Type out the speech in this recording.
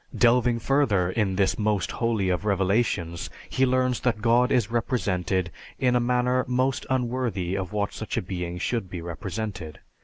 Delving further in this most holy of revelations, he learns that God is represented in a manner most unworthy of what such a being should be represented.